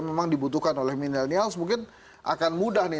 memang dibutuhkan oleh millenial mungkin akan mudah nih